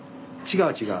違う違う。